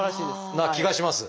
な気がします。